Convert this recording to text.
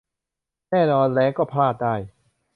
แน่นอน แร้งก็พลาดได้